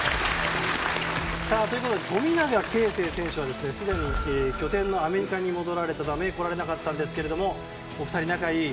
富永啓生選手は、すでに拠点のアメリカに戻られたため来られなかったんですけども仲いい